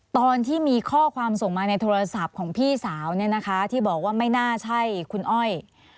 ตอนที่มีข้อความส่งมาในโทรศัพท์ของพี่สาวเนี่ยนะคะที่บอกว่าไม่น่าใช่คุณอ้อย